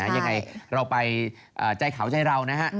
ยังไงเราไปใจเขาใจเรานะฮะ